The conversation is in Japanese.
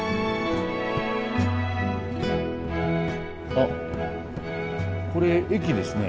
あこれ駅ですね